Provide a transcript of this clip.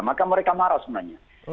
maka mereka marah sebenarnya